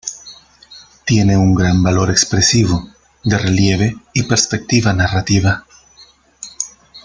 Tiene un gran valor expresivo, de relieve y perspectiva narrativa.